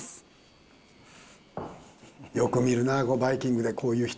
よく見るなバイキングでこういう人。